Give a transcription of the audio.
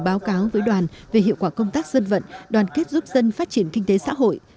báo cáo với đoàn về hiệu quả công tác dân vận đoàn kết giúp dân phát triển kinh tế xã hội